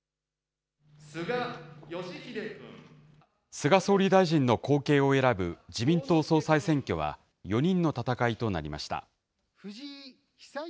菅総理大臣の後継を選ぶ、自民党総裁選挙は、４人の戦いとなりました。